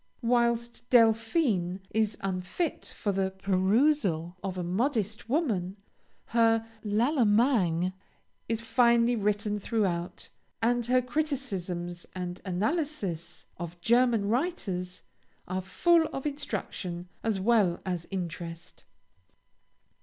Whilst "Delphine" is unfit for the perusal of a modest woman, her "L'Allemagne" is finely written throughout, and her criticisms and analyses of German writers are full of instruction as well as interest.